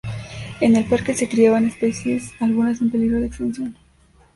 En el parque se criaban especies, algunas en peligro de extinción.